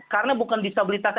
karena bukan disabilitas saja